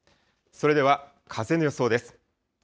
それでは風の予想です。